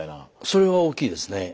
それは大きいですね。